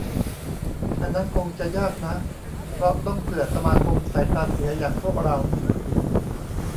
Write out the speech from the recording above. อันนั้นคงจะยากนะ เพราะต้องเผื่อสมาคมสายตาเสียอย่างพวกเรา